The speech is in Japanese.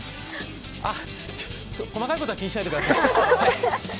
細かいことは気にしないでください。